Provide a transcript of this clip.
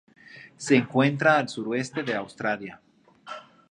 Se encuentra al suroeste de Australia.